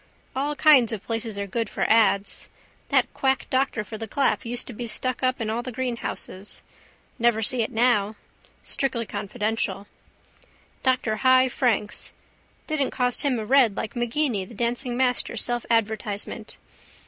All kinds of places are good for ads. That quack doctor for the clap used to be stuck up in all the greenhouses. Never see it now. Strictly confidential. Dr Hy Franks. Didn't cost him a red like Maginni the dancing master self advertisement.